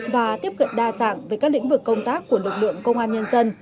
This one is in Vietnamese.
và tiếp cận đa dạng với các lĩnh vực công tác của lực lượng công an nhân dân